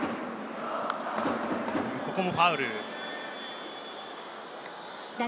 ここもファウル。